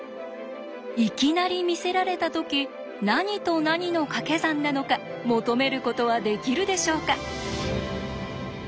いきなり見せられた時何と何のかけ算なのか求めることはできるでしょうか。